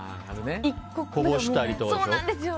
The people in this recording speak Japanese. こぼしたりとかでしょ。